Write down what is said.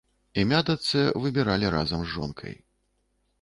Імя дачцэ выбіралі разам з жонкай.